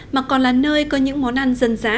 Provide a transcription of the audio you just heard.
mà còn là nơi có những món ăn dân dã